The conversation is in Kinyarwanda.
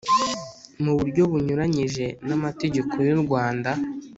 mu buryo bunyuranyije n’amategeko y’u rwanda